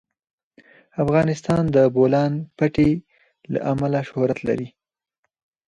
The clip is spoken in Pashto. افغانستان د د بولان پټي له امله شهرت لري.